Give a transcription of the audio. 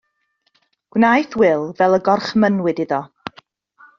Gwnaeth Wil fel y gorchmynnwyd iddo.